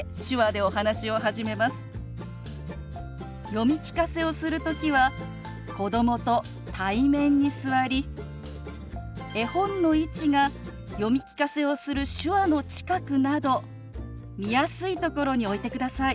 読み聞かせをする時は子どもと対面に座り絵本の位置が読み聞かせをする手話の近くなど見やすいところに置いてください。